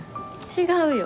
違うよ。